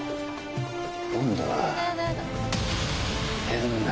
今度は。